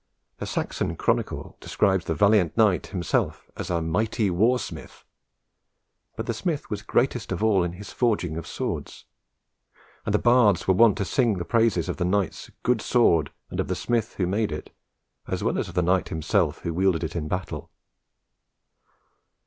The Saxon Chronicle describes the valiant knight himself as a "mighty war smith." But the smith was greatest of all in his forging of swords; and the bards were wont to sing the praises of the knight's "good sword" and of the smith who made it, as well as of the knight himself who wielded it in battle.